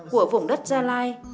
của vùng đất dà lai